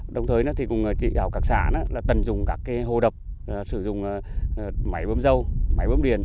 đồng thời thì cũng chỉ đào các xã tận dùng các hồ đập sử dụng máy bơm dâu máy bơm điền